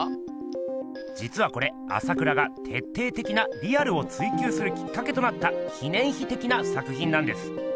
じつはこれ朝倉が徹底的なリアルを追求するきっかけとなった記念碑的な作品なんです。